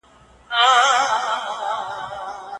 هغې زما پر اوږه لاس کیښود.